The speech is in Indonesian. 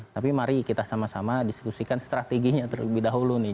tapi mari kita sama sama diskusikan strateginya terlebih dahulu nih